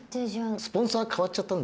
スポンサー変わっちゃったんで。